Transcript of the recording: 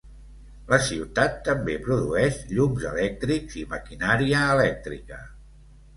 La ciutat també produeix llums elèctrics i maquinària elèctrica.